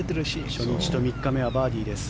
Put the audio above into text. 初日と３日目はバーディーです。